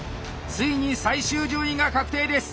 ついに最終順位が確定です！